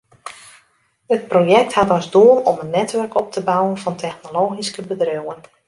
It projekt hat as doel om in netwurk op te bouwen fan technologyske bedriuwen.